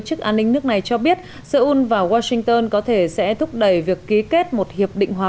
chức an ninh nước này cho biết seoul và washington có thể sẽ thúc đẩy việc ký kết một hiệp định hòa